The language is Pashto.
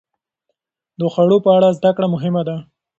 د خوړو په اړه زده کړه مهمه ده.